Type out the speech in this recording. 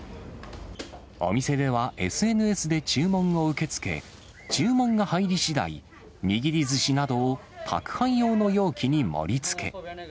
お店ではＳＮＳで注文を受け付け、注文が入りしだい、握りずしなどを宅配用の容器に盛りつけ。